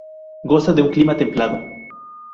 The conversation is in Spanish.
Goza de un clima templado.